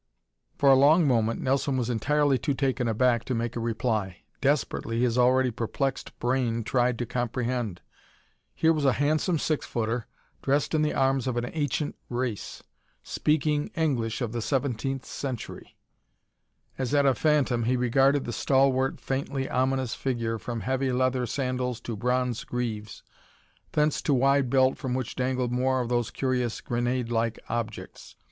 For a long moment Nelson was entirely too taken back to make a reply. Desperately his already perplexed brain tried to comprehend. Here was a handsome six footer, dressed in the arms of an ancient race, speaking English of the seventeenth century! As at a phantom, he regarded the stalwart, faintly ominous figure, from heavy leather sandals to bronze greaves, thence to wide belt from which dangled more of those curious grenadelike objects.